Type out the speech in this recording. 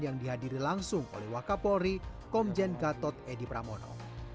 yang dihadiri langsung oleh wakapolri komjen gatot edi pramono